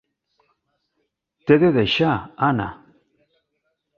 T'he de deixar, Anna.